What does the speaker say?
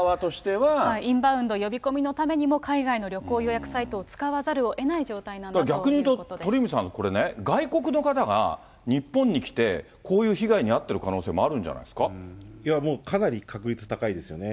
インバウンド呼び込みのためにも、海外の旅行予約サイトを使わざるをえない状態なんだということで逆に言うと、鳥海さん、これね、外国の方が日本に来て、こういう被害に遭ってる可能性もあるいや、もう、かなり確率高いですよね。